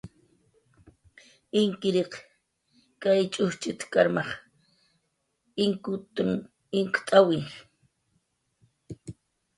Inkkiriq kay ch'ujchit karmaj inkutn inkt'awi.